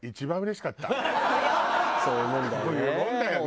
そういうもんだよね。